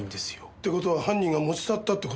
って事は犯人が持ち去ったって事か？